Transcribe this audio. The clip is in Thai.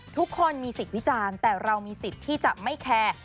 ทุกคนมีสิทธิ์วิจารณ์แต่เรามีสิทธิ์ที่จะไม่แคร์